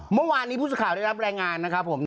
เมื่อวานนี้ผู้ชายได้รับแรงงานนะครับผม